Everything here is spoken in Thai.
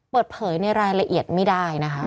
เปิดเผยในรายละเอียดไม่ได้นะคะ